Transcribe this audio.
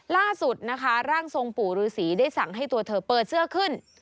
ล่าสุดนะคะร่างทรงปู่ฤษีได้สั่งให้ตัวเธอเปิดเสื้อขึ้น